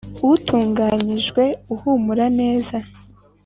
utunganyijwe uhumura neza i